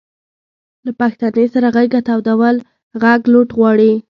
له پښتنې سره غېږه تودول غټ لوټ غواړي.